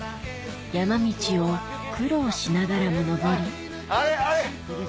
山道を苦労しながらも上りあれあれ！